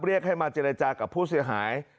เรียกให้มาเจรจากับผู้เสียหาย